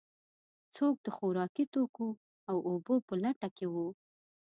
څوک د خوراکي توکو او اوبو په لټه کې و.